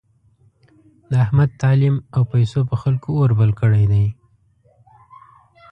د احمد تعلیم او پیسو په خلکو اور بل کړی دی.